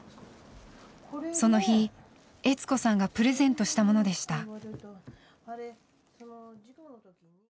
その日悦子さんがプレゼントしたものでした。